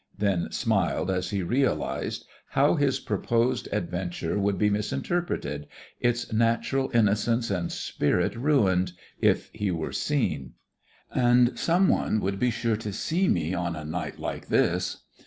then smiled as he realised how his proposed adventure would be misinterpreted, its natural innocence and spirit ruined if he were seen. "And some one would be sure to see me on a night like this.